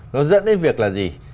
nó dẫn đến việc là gì